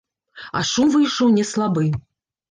А шум выйшаў не слабы.